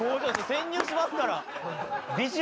潜入しますから」